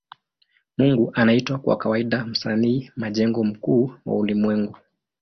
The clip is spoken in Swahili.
Mungu anaitwa kwa kawaida Msanii majengo mkuu wa ulimwengu.